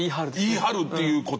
言いはるっていうこと。